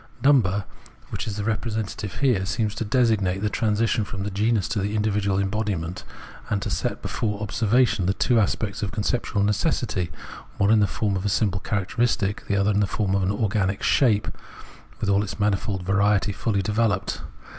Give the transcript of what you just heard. Number, which is the representative here, seems to designate the transition from the genus into the individual embodiment, and to set before observation the two aspects of conceptual necessity, one in the form of a simple characteristic, the other in the form of an organic shape with all its manifold variety fully developed.